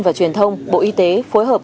và truyền thông bộ y tế phối hợp